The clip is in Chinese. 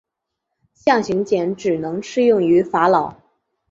象形茧只能适用于法老。